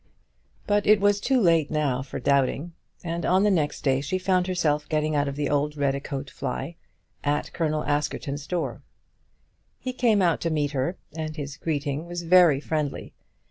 But it was too late now for doubting, and on the next day she found herself getting out of the old Redicote fly, at Colonel Askerton's door. He came out to meet her, and his greeting was very friendly.